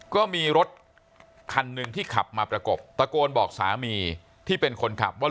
ก็มีรถคันหนึ่งที่ขับมาประกบตะโกนบอกสามีที่เป็นคนขับว่า